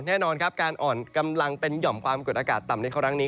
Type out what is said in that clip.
แน่นอนครับการอ่อนกำลังเป็นหย่อมความกดอากาศต่ำในครั้งนี้